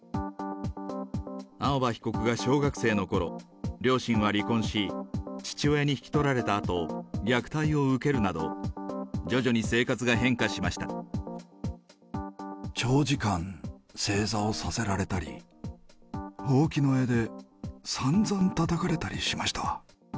青葉被告が小学生のころ、両親は離婚し、父親に引き取られたあと、虐待を受けるなど、徐々に生活が変化し長時間、正座をさせられたり、ほうきの柄で、さんざんたたかれたりしました。